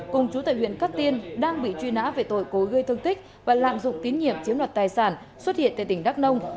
cùng chú tại huyện cát tiên đang bị truy nã về tội cố gây thương tích và lạm dụng tín nhiệm chiếm đoạt tài sản xuất hiện tại tỉnh đắk nông